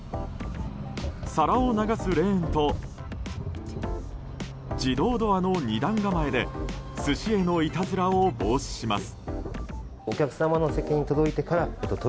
皿を流すレーンと自動ドアの２段構えで寿司へのいたずらを防止します。